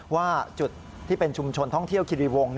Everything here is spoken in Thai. ว่าจุดที่เป็นชุมชนท่องเที่ยวคิริวงศ์